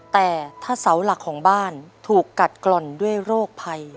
แต่ถ้าเสาหลักของบ้านถูกกัดกล่อนด้วยโรคภัย